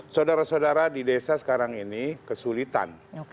saudara saudara di desa sekarang ini kesulitan